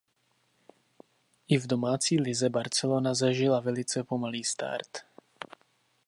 I v domácí lize Barcelona zažila velice pomalý start.